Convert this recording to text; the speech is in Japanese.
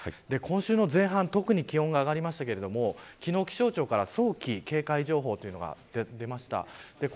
今週の前半特に気温が上がりましたが昨日、気象庁から早期警戒情報が出ました。